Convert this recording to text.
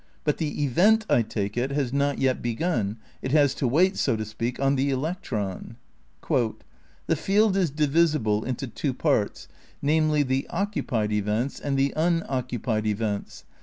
But the event, I take it, has not yet begun, it has to wait, so to speak, on the electron. "The field is divisible into two parts, namely, the 'occupied' events and the 'unoccupied' events.